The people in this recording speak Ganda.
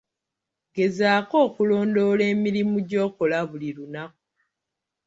Gezaako okulondoola emirimu gy'okola buli lunaku.